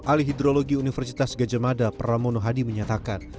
ali hidrologi universitas gejemada pramono hadi menyatakan